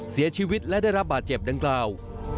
เสียชีวิตและได้รับบาดเจ็บดังกล่าว